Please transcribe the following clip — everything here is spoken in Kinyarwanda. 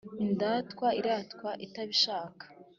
indatwa iratwa itabishaka